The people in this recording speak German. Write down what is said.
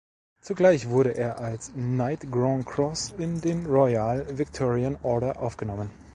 Zugleich wurde er als Knight Grand Cross in den Royal Victorian Order aufgenommen.